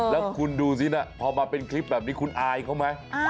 แล้วคุณดูสินะพอมาเป็นคลิปแบบนี้คุณอายเขาไหม